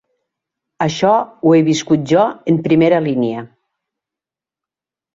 Això ho he viscut jo en primera línia.